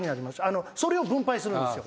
それを分配するんですよ。